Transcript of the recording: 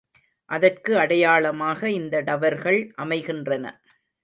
அதற்கு அடையாளமாக இந்த டவர்கள் அமைகின்றன.